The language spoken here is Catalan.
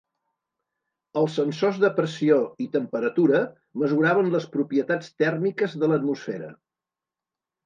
Els sensors de pressió i temperatura mesuraven les propietats tèrmiques de l'atmosfera.